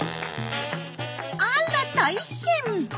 あら大変！